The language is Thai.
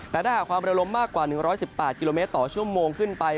แต่ถ้าหากความเร็วลมมากกว่า๑๑๘กิโลเมตรต่อชั่วโมงขึ้นไป